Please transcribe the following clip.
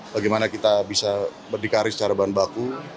bagaimana kita bisa berdikari secara bahan baku